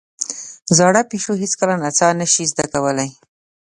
زاړه پيشو هېڅکله نڅا نه شي زده کولای.